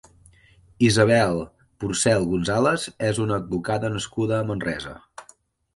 Isabel Porcel González és una advocada nascuda a Manresa.